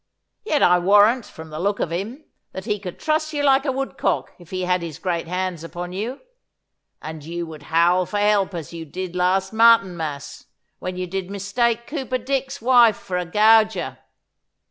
Yet I warrant, from the look of him, that he could truss you like a woodcock if he had his great hands upon you. And you would howl for help as you did last Martinmas, when you did mistake Cooper Dick's wife for a gauger.